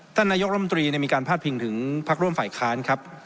ท่านนายกรัฐมนตรีเนี่ยมีการพาดพิงถึงพรรคร่วมฝ่ายคลานครับ